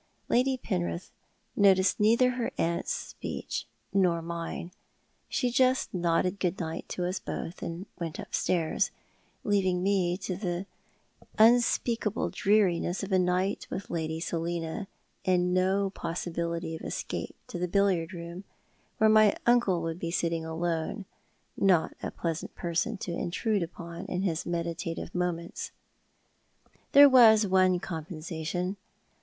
Lady Penrith noticed neither her aunt's speech nor mine. She just nodded good night to us both, and went upstairs, leaving me to the unspeakable dreariness of a night with Lady Selina, and no possibility of escape to the billiard room, where my uncle would be sitting alone— not a pleasant person to intrude upon in his meditative moments. There was one compensation.